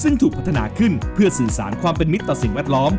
ซึ่งถูกพัฒนาขึ้นเพื่อสื่อสารความเป็นมิตรต่อสิ่งแวดล้อม